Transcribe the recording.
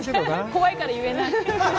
怖いから言えない。